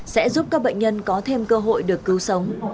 sẽ giúp các bệnh nhân có thêm cơ hội được cứu sống